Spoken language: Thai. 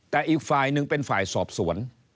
แต่อีกฝ่ายหนึ่งเป็นฝ่ายสอบสวน